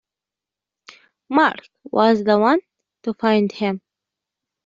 Mark was the one to find him.